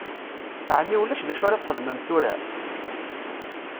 Ɛni ulac d acu ara ad txedmem tura?